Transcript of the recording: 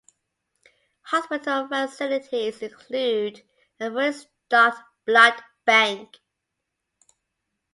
Hospital facilities include a fully stocked blood bank.